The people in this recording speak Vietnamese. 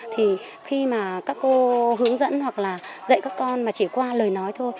thì khi mà các cô hướng dẫn hoặc là dạy các con mà chỉ qua lời nói thôi